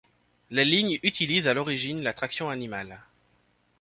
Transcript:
La ligne utilise à l'origine la traction animale.